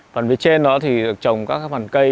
phần phía trên đó thì trồng các phần cây